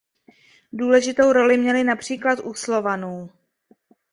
Důležitou roli měly například u Slovanů.